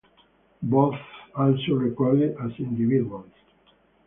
Both also recorded as individuals.